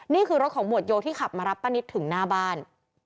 นี่คือรถของหมวดโยที่ขับมารับป้านิตถึงหน้าบ้าน